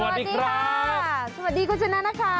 สวัสดีค่ะสวัสดีคุณชนะนะคะ